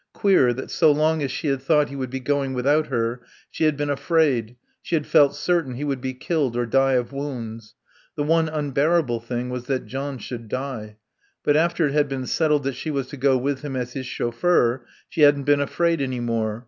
Queer, that so long as she had thought he would be going without her, she had been afraid; she had felt certain he would be killed or die of wounds. The one unbearable thing was that John should die. But after it had been settled that she was to go with him as his chauffeur she hadn't been afraid any more.